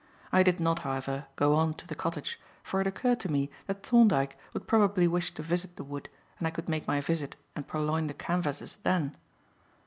I did not, however, go on to the cottage, for it occurred to me that Thorndyke would probably wish to visit the wood, and I could make my visit and purloin the canvases then.